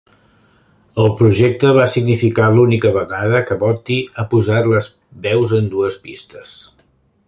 El projecte va significar l'única vegada que Botti ha posat les veus en dues pistes.